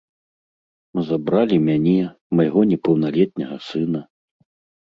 Забралі мяне, майго непаўналетняга сына.